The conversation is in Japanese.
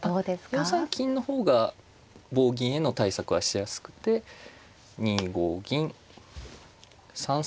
あっ４三金の方が棒銀への対策はしやすくて２五銀３三桂という形ですね。